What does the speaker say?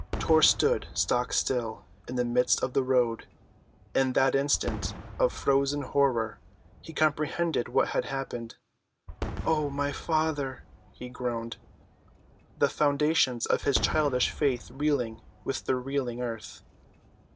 Tor stood stock‐still in the midst of the road. In that instant of frozen horror he comprehended what had happened. "Oh, my Father," he groaned, the foundations of his childish faith reeling with the reeling earth.